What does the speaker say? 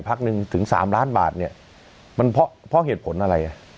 พักหนึ่งถึง๓ล้านบาทเนี่ยมันเพราะเหตุผลอะไร